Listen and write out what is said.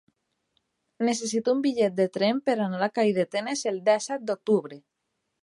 Necessito un bitllet de tren per anar a Calldetenes el disset d'octubre.